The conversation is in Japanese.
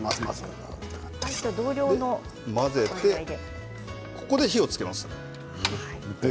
混ぜて、ここで火をつけます。